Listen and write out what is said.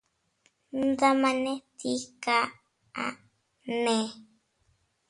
Ndamane ¿tii kaʼane?